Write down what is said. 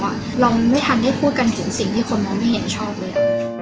เราไม่ทันได้พูดกันถึงสิ่งที่คนมองไม่เห็นชอบเลย